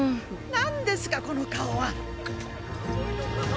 なんですかこの顔は！